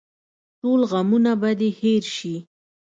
ټول غمونه به دې هېر شي.